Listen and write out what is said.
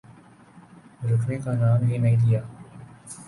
رکنے کا نام ہی نہیں لیا۔